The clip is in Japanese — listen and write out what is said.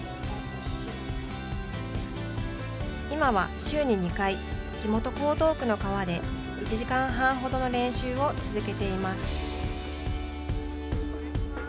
今は週に２回地元、江東区の川で１時間半ほどの練習を続けています。